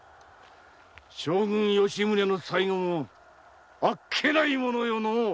将軍・吉宗の最期もあっけないものよのう。